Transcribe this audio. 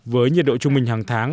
với nhiệt độ trung bình hàng tháng